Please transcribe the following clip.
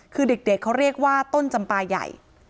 คือเด็กเขาเรียกว่าต้นจำปลาใหญ่